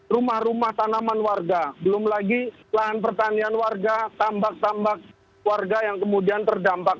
rumah rumah tanaman warga belum lagi lahan pertanian warga tambak tambak warga yang kemudian terdampak